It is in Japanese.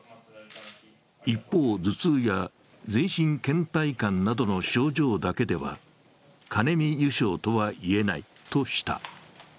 一方、頭痛や全身けん怠感などの症状だけではカネミ油症とは言えないとした。